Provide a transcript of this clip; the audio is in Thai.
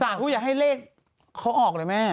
สารผู้อย่าให้เล็กเขาออกเลยแม่